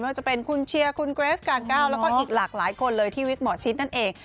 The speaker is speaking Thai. ว่าจะเป็นคุณเชียร์คุณเกรสการก้าวแล้วก็อีกหลากหลายคนเลยที่วิกหมอชิดนั่นเอง